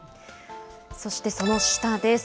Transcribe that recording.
そしてその下です。